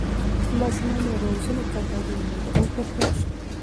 د ماشومانو روزنې ته باید لومړیتوب ورکړل سي.